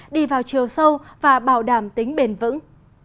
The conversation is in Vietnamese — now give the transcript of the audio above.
đi vào chiều sâu và bảo đảm tính bền vững